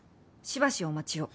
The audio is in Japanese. しばしお待ちを」。